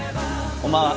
こんばんは。